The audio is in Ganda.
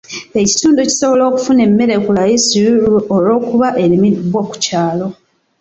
Ekitundu kisobola okufuna emmere ku layisi olw'okuba erimibwa ku kyalo.